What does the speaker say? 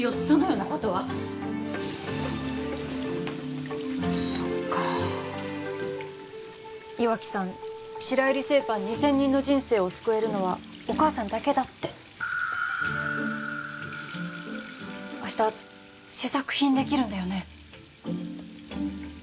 そのようなことはそっか岩城さん白百合製パン２０００人の人生を救えるのはお母さんだけだって明日試作品できるんだよね？